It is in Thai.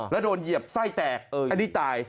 แล้วโดนเหยียบไส้แตกอันนี้ตาย